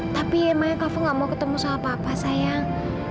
tapi emangnya kafa gak mau ketemu soal papa sayang